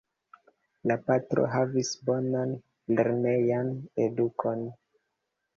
La patro havis bonan lernejan edukon.